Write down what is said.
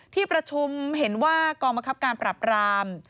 ที่ประชุมเห็นว่ากองบังคับการปรับราม